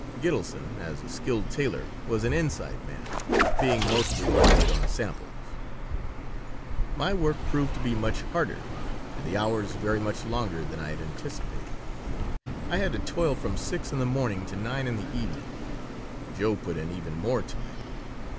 Gitelson, as a skilled tailor, was an "inside" man, being mostly employed on samples My work proved to be much harder and the hours very much longer than I had anticipated. I had to toil from six in the morning to nine in the evening. (Joe put in even more time.